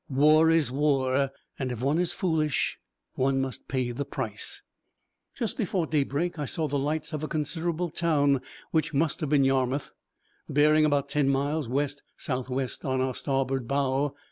war is war, and if one is foolish one must pay the price. Just before daybreak I saw the lights of a considerable town, which must have been Yarmouth, bearing about ten miles west south west on our starboard bow.